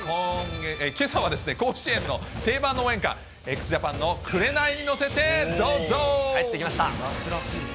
けさは甲子園の定番の応援歌、ＸＪＡＰＡＮの紅に乗せてどうぞ。